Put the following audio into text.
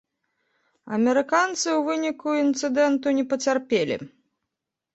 Амерыканцы ў выніку інцыдэнту не пацярпелі.